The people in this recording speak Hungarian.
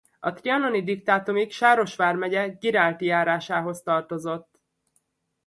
A trianoni diktátumig Sáros vármegye Girálti járásához tartozott.